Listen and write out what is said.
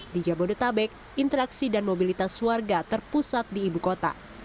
di jabodetabek interaksi dan mobilitas warga terpusat di ibu kota